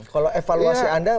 kalau evaluasi anda